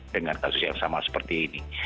dengan kasus yang sama seperti ini